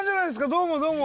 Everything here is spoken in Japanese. どうもどうも。